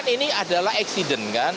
kan ini adalah eksiden kan